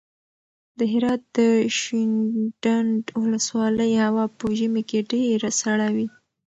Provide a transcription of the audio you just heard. د هرات د شینډنډ ولسوالۍ هوا په ژمي کې ډېره سړه وي.